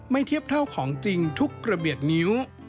เทียบเท่าของจริงทุกระเบียดนิ้ว